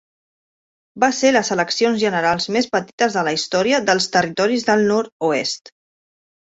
Va ser les eleccions generals més petites de la història dels Territoris del nord-oest.